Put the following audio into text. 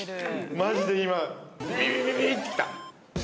マジで今、ビビビビビってきた。